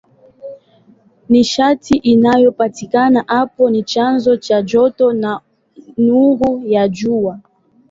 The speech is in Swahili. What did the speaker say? Nishati inayopatikana hapo ni chanzo cha joto na nuru ya Jua.